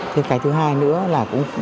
cái thứ hai nữa là